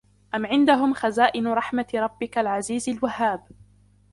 أم عندهم خزائن رحمة ربك العزيز الوهاب